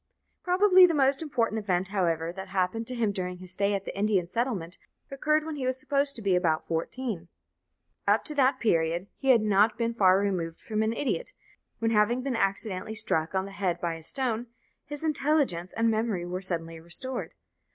Probably the most important event, however, that happened to him during his stay at the Indian settlement occurred when he was supposed to be about fourteen. Up to that period he had been not far removed from an idiot, when having been accidentally struck on the head by a stone, his intelligence and memory were suddenly restored.